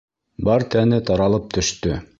Бар тәне таралып төштө.